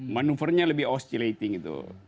manuvernya lebih oscilating gitu